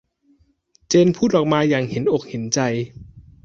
เจนพูดออกมาอย่างเห็นอกเห็นใจ